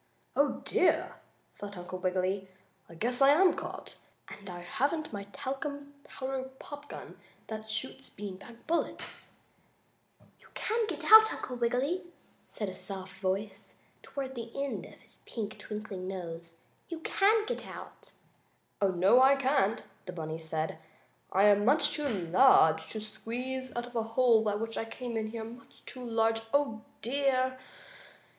"Oh, dear!" thought Uncle Wiggily. "I guess I am caught! And I haven't my talcum powder pop gun that shoots bean bag bullets! Oh, if I could only get out of here!" "You can get out, Uncle Wiggily," said a soft little voice down toward the end of his pink, twinkling nose. "You can get out!" "Oh, no, I can't!" the bunny said. "I am much too large to squeeze out of the hole by which I came in here. Much too large. Oh, dear!"